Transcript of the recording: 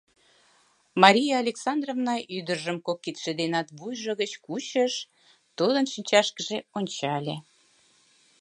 Мария Александровна ӱдыржым кок кидше денат вуйжо гыч кучыш, тудын шинчашкыже ончале: